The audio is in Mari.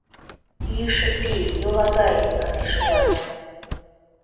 Йӱшӧ пий, йолагай, манеш, улат!